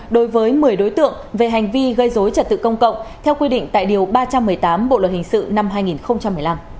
đối với một mươi đối tượng về hành vi gây dối trật tự công cộng theo quy định tại điều ba trăm một mươi tám bộ luật hình sự năm hai nghìn một mươi năm